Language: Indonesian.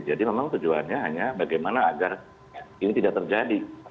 jadi memang tujuannya hanya bagaimana agar ini tidak terjadi